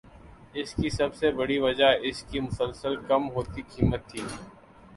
اس کی سب سے بڑی وجہ اس کی مسلسل کم ہوتی قیمت تھی